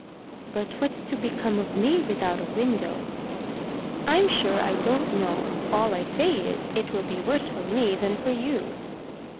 "But what's to become of me without a window?" "I'm sure I don't know. All I say is, it will be worse for me than for you."